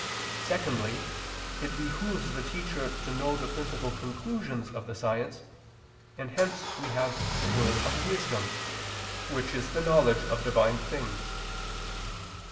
Secondly, it behooves the teacher to know the principal conclusions of the science, and hence we have the word of wisdom, which is the knowledge of Divine things.